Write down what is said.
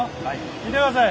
見てください